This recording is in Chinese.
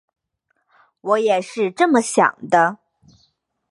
我也是这么想的